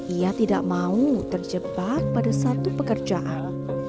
ia tidak mau terjebak pada satu pekerjaan